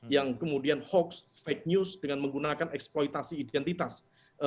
yang kemudian hoax fake news dengan menggunakan eksploitasi identitas